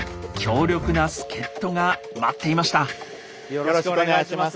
よろしくお願いします。